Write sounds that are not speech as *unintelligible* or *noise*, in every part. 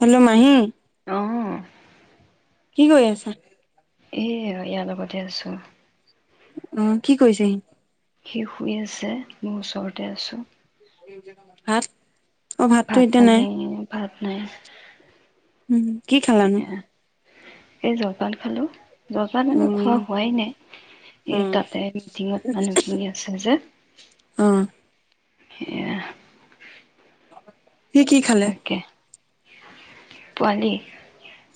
Hello Mahi অ। কি কৰি আছা? এ ইয়াৰ লগতে আছোঁ। অ, কি কৰিছে সি? সি শুই আছে। মই ওচৰতে আছোঁ। ভাত? অ ভাততো ভাত এতিয়া নাই। মানে ভাত নাই। উম, কি খালানো? এই জলপান খালো। জলপান মানে খোৱা উম হোৱাই নাই অ এই তাতে মিটিঙত মানুহখিনি আছে যে। অ সেয়া। সি কি খালে? পোৱালি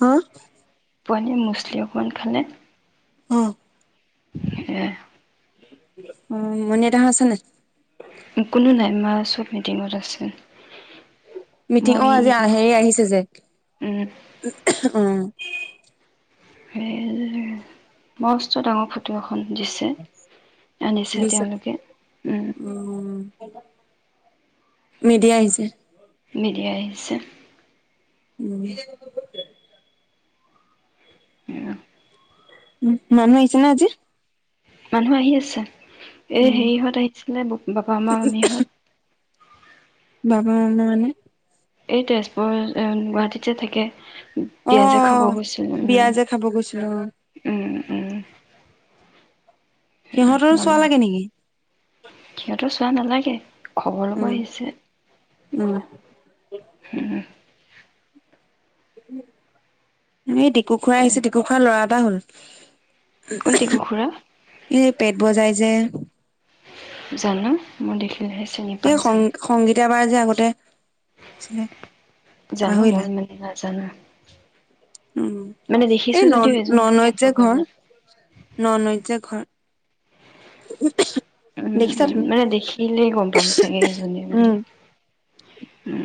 অ'। পোৱালিয়ে মুচলি অকণ খালে। অ'। এ অ', মণি দা আছে নাই? এ কোনো নাই চব মিটিঙত আছে। মিটিং মই অ', আজি হেৰি আহিছে যে উম, অ'। সে মস্ত ডাঙৰ ফু টো এখন দিছে, আনিছে দিছে তেওঁলোকে অ মিডিয়া আহিছে মিডিয়ি আহিছে। উম উম। উম মানুহ আহিছে নে আজি? মানুহ আহি আছে। এ উম হেৰিহঁত আহিছিলে, বপ বাপা মামা মামীহঁত বাবা মামা মানে? এই তেজপুৰৰ, গুৱাহাটীত যে থাকে অ বিয়া যে খাব গৈছিলো, বিয়া যে খাব গৈছিলো অ উম, উম। উম। সিহঁতৰো চুৱা মামাহঁত লাগে নে? কি ৱা নালাগে। খবৰ ল'ব আহিছে। উম উম। *inaudible* এই টিকু খুৰা আহিছে, টিকু খুৰাৰ লৰা টা‌ হ'ল। কোন টিকু খুৰা এ পেট বজায় যে যাৰ ‌নাম মোৰ দেশ এই সং সংগীতা পা যে আগতে আছিলে জানো মই মানে নাজানা। *inaudible* উ এই ন বুলিয়ে ননৈত যে ভবা ঘৰ। নাই ননৈত যে ঘৰ। উ উম, উম মানে দেখিলেই গম পাম চাগে এজনী উম বুলি। হম।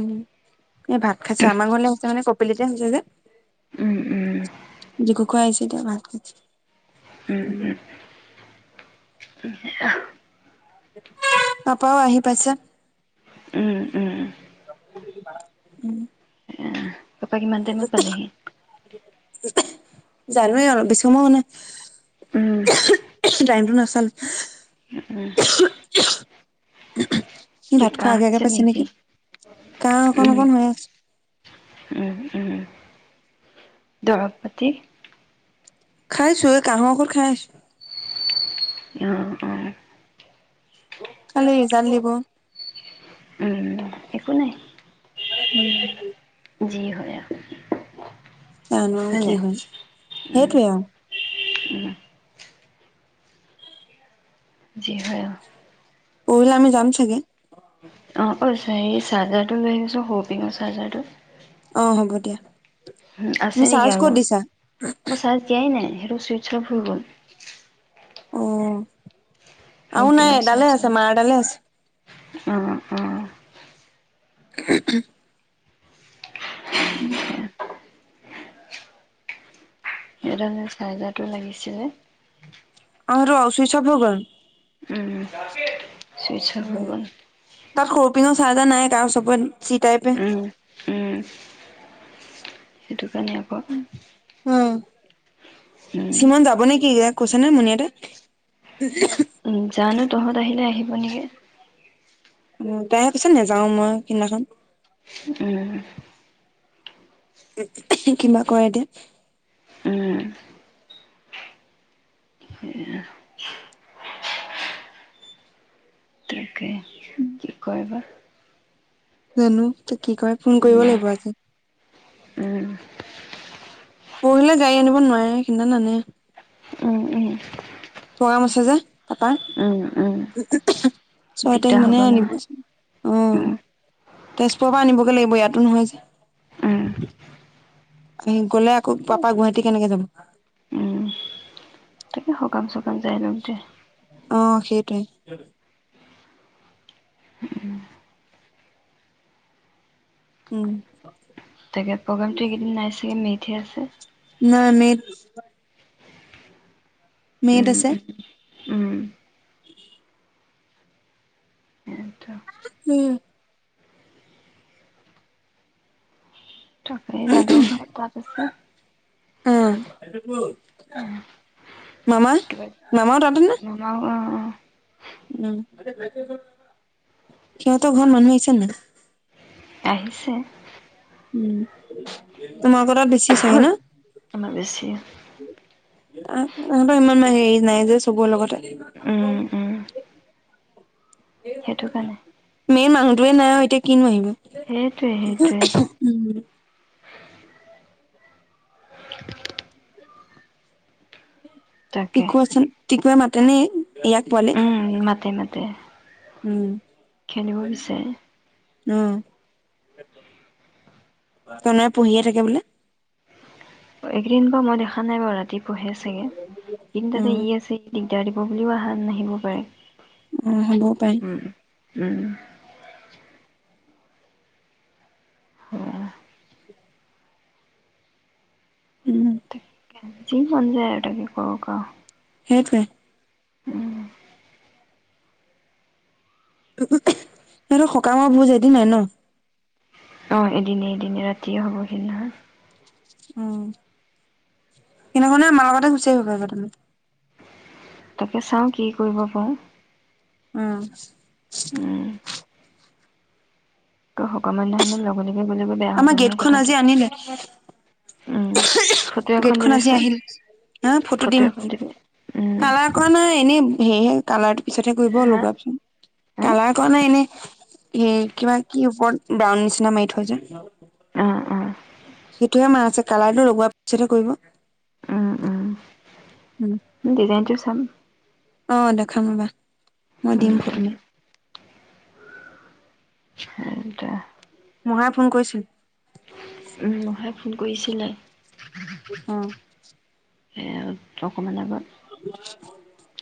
উম। এই ভাত খাইছে। আমাৰ ঘৰলে আহিছে মানে কপিলিতে হৈছে যে। উম, উম। সেইতিয়া ভাত খাইছে। উম, উম। উ। *unintelligible* পাপাও আহি পাইছা। উম, উম। উম। উম পাপা কিমান টাইমত পালেহি? *unintelligible* জানোৱেই অলপ বেছি, মই মানে উম *unintelligible* টাইমতটো নাচালোঁ। উম। কি ভাত খোৱা কাহ আগে আগে হৈছে পাইছে নেকি। গা অকন উম অকন হৈ আছে। উম, উম দৰৱ পাতি? খাইছো এই কাহৰ ঔষধ খাই আছোঁ। অ, অ। কালি ৰিজাল্ট দিব। উম একো নাই। *unintelligible* যি হয় আৰু। জানো হয় কি নাই হ'ল সেইটোৱে আৰু উম যি হয় আৰু। পহিলে আমি যাম চাগে। অঁ, অঁ, এই *unintelligible* চাৰ্জাৰটো লৈ আহিবিচোন সৰু-পিঙৰ চাৰ্জাৰটো। অ হ'ব দিয়া। উ তুমি আছে নেকি চাৰ্জ আৰু? ক'ত দিছা? মই চাৰ্জ দিয়াই নাই সেইটো চুই সব শুই গ'ল। অ। আৰু নাই এডালে আছে। মাৰডালে আছে। অ অ। *unintelligible* *unintelligible* *unintelligible* দলে চাৰ্জাৰটো লাগিছিলে। অ, হেতু অ চুইচ-অফ হয় গ'ল? উম। চুইচ অফ হৈ উম গ'ল তাৰ সৰুপিন চাৰজা নাই কাৰো চব *inaudible* চিটাইপে উম উম সেইটো কাৰণে আকৌ উম কৈছে নাই মুনিয়টা উম জানো তহঁত আহিলে আহিব নেকি। অ তাৰে পিছত নেযাও মই সেইদিনাখন উম কিবা কৰে এতিয়া। উম তাকে উম কি কৰিবা জানো ত কি কয়। ফোন কৰিব লাগিব আজি। উম পৰিলে গাড়ী আনিব নোৱাৰে সেইদিনা নানে উম উম প্ৰগ্ৰাম আছে যে পাপাৰ। উম উম ছয় দিগদাৰ তাৰিখ হ'ব মানে নহয় আনিবচোন অ উম তেজপুৰৰ পৰা আনিবগে লাগিব ইয়াতো নহয় যে, উম আহি গলে আকৌ পাপা গুৱাহাটী কেনেকে যাব। উম তাকে সকাম চ যাই লম দে অ সেইটোৱে উম তাকে প্ৰগ্ৰামটো এইকেইদিন নাইচাগে মে' উঠি আছে নাই মে' মে'ত উম আছে উম *unintelligible* উম এই যাদৱ কামত তাত আছে অ মামা, কিবা মামাও তাতে নে? মামাও অ অ উম সিহঁতৰ ঘৰত মানুহ আহিছে নাই আহিছে উম তোমাৰ কথাত বি আমাৰ বেছি আহ তহতৰ ইমান হেৰি নাই যে চবৰে লগতে উম উম সেইটো কাৰণে *unintelligible* মেই মানুহটোৱে নাই আৰু এতিয়া কিনো আহিব সেইটোৱে সেইটোৱে উম ম্- তাকে টিকু আহচোন টিকুৱে মা তেনেই ইয়াক পালে উ মাতে মাতে খেলিব বিচাৰে। অহ, কোনোৱে পঢ়িয়ে থাকে বোলে। একেইদিন মই দেখা নাই বাৰু ৰাতি বহে চাগে অ', *unintelligible* দিগদাৰ দিব বুলিও আহা নাহিব পাৰে। অহ, হ'ব পাই। উম উম। হ উম। তাকে যি বন যায় তাকে কো ক সেইটোৱে। অহ। সেইটো সকামৰ ভোজ এদিন নাই ন'। অ', এদিনে, এদিনে ৰাতিয়ে হ'ব সেই দিনে উম, এনে কাৰণে আমাৰ লগতে গুচি আহিব পাৰিবা তুমি। তাকে চাও কি কৰিব পাৰো। উম। সকান ধানে লগে গ'লেগৈ বেয়া হ'ব আমাৰ নহয় গেটখন কথাটো আজি আনিলে। উম ফটো এখন গেটখন আজি দিবিচোন আহিল হা ফটো দিম এখন দিবি উম কালাৰ কৰা নাই এনে হে। কালাৰ পিছতহে কৰিব হা লগাবচোন হা কালাৰ কৰা নে এনে এ কিবা কি ওপৰত ব্ৰাউন নিচিনা মাৰি থৈ যে। অ', অ'। সেইটোহে মাৰ আছে কালাৰটো লগোৱাৰ পিছতহে কৰিব। উম, উম উম, ডিজাইনটো থাম অ', দেখাম ৰ'বা। মই উম, দিম ফটোমে *inaudible* সেইতয়া মহাই ফোন কৰিছিল। উম, মহাই। ফোন কৰিছিলে। অহ। অকমান আগত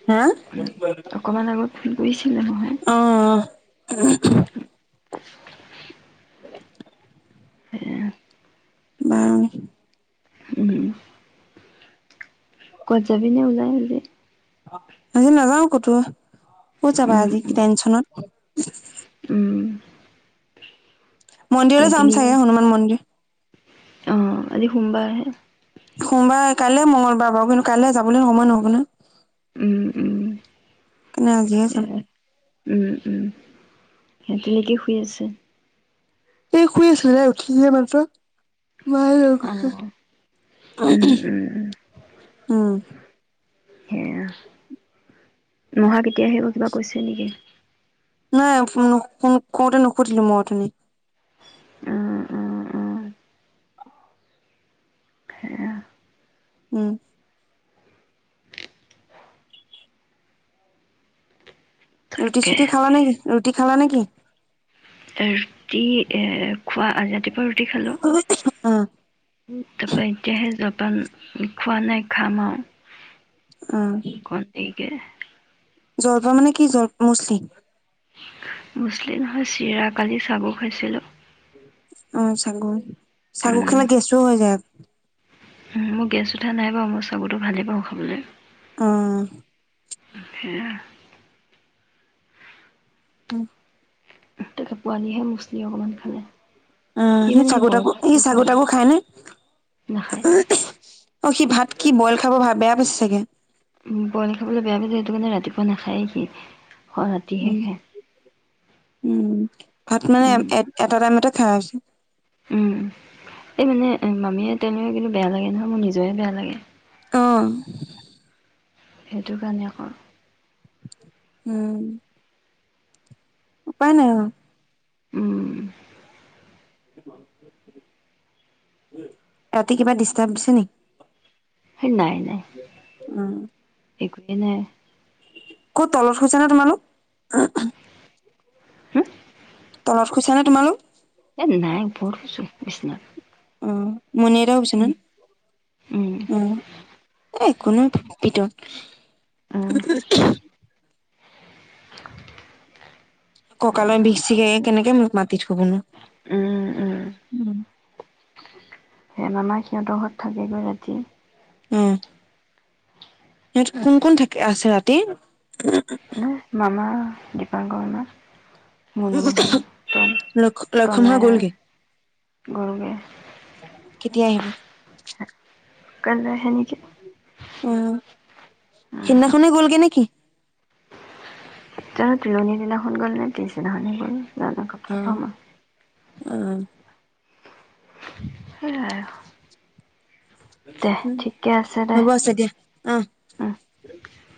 *inaudible* হা? উম অকমান *unintelligible* অ, অ *unintelligible* *unintelligible* *unintelligible* এয়া। *unintelligible* উম। কবাত যাবিনে ওলাই আজি? আজি নাযাও কতো। ক'ত যাবা উম আজি উম টেনচনত। উম। মন্দিৰ যাম তেতেলী চাগে হনুমান মন্দিৰ। অ আজি সোমবাৰে হে। সোমবাৰ কাইলে মঙগলবাৰ বাৰু কিন্তু কাইলৈ যাবলৈ সময় নহব নহয়। উম, উম। *unintelligible* আজিহে চাম। সেয়া উম। টিলিকি শুই আছে? এই খুই আছিলে তাই উঠিছেহে এই মাত্ৰ। অ উম উম উম *unintelligible* *unintelligible* উম। সেয়া। মহা কেতিয়া আহিব কিবা কৈছে নেকি? নাই ফোন কৰোঁতে নুখুধিলো মই। অ অ অ সেয়া উম। ৰুটি তাকে চুটি খালা নে কি? ৰুটি খালা নেকি? ৰাতি এ খোৱা ৰাতিপোৱা ৰো ৰুটি খালো। অ তাৰাপা এতিয়াহে য পা খোৱা নাই খাম আৰু। অ। কে। জলপান মানে কি জলপ মুছ্লি? মুছ্লি নহয়। চিৰা। কালি চাগু খাইছিলো। অ চাগো। চাগু খালে গেছ *unintelligible* মোৰ গেছ উঠা নাই বাৰু মই চাগুটো ভালেই পাওঁ খাবলৈ। অ। সেয়া। উম। তে পোৱালিয়েহ মুছ সি অকমান খালে অ সি মানে সেই চাগু বইল তাগু ই ভাতটোও চাগু খাব তাগু খাই নে নাখায়। অ', সি ভাত কি বইল খাব ভা বেয়া পাইছে চাগে। ব'ইল খাবলৈ বেয়া পাইছে সেইটো মানে ৰাতিপুৱা নাখায় সি। হয় ৰাতি শে উম খে উম। ভাত মানে এ এটা টাইমতে খাৰা হৈছে উম, এই মানে মামীয়ে তেনেকে কিন্তু বেয়া লাগে নহয় মোৰ নিজয়ে বেয়া লাগে। অ'। সেইটো কাৰণে আকৌ। উম। উপায় নাই অ'। উম। ৰাতি কিবা ডিষ্টাৰ্ব দিছে সেই নাই নাই নেকি? উম। একোৱেই নাই। ক'ত তলত শুইছা নে তোমালোক? হু তলত শুইছা নে তোমালোক? এ নাই, ওপৰত শুইছোঁ বিছনাত। অ' মণি আইতাও বিছনাত? ও, বিচনাত একো নাই *unintelligible* উম কঁকালৰ বিষ চিষ কেনেকে মোক মাতিত শুবনো? উম, উম। সেয়া মামা সিহঁতৰ ঘৰত থাকেগৈ ৰাতি। উম সিহঁত কোন কোন থাক- আছে ৰাতি? ন মামা, দীপাংকৰ মামা। মুনু মাহী, লক্ষ লক্ষ্মণ হৈ তন-তনয়া গ'লগে গ'ল গে। কেতিয়া আহিব? কাইলে অ', সিদিনাখনে গ'লগে নেকি? জানো তিলনী দিনাখন গ'ল নে পিছ দিনাখনেই গ'ল। জানো গ'ম নাপাম মই। উম। সেয়াই আৰু। দে উম ঠিকে আছে দে হব আছে দিয়া অ। উম। *unintelligible*